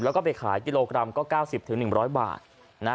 แล้วก็ไปขายกิโลกรัมก็เก้าสิบถึงหนึ่งร้อยบาทนะ